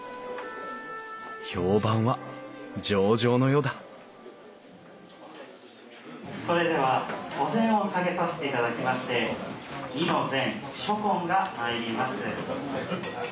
評判は上々のようだそれではお膳を下げさせていただきまして弐の膳初献が参ります。